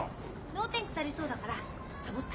脳天腐りそうだからサボった。